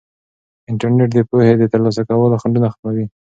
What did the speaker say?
انټرنیټ د پوهې د ترلاسه کولو خنډونه ختموي.